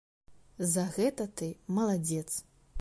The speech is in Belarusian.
За гэта ты маладзец!